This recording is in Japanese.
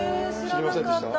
知りませんでした？